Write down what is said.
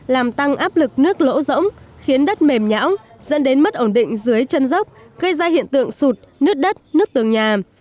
làm tăng áp lực nước lỗ rỗng khiến đất mềm nhão dẫn đến mất ổn định dưới chân dốc gây ra hiện tượng sụt nướt đất nứt tường nhà